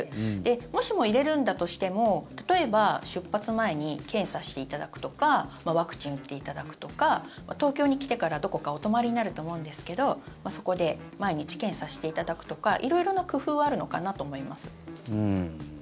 もしも入れるんだとしても例えば出発前に検査していただくとかワクチン打っていただくとか東京に来てから、どこかお泊まりになると思うんですけどそこで毎日検査していただくとか色々な工夫はあるのかなと思います。